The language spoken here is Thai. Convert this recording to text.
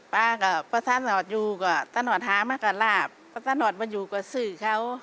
ป๊ากับประสาทนอดอยู่กับประสาทนอดหามากกับหลาบประสาทนอดมาอยู่กับสื่อเขา